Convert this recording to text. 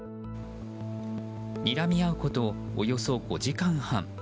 にらみ合うこと、およそ５時間半。